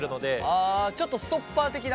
あちょっとストッパー的な。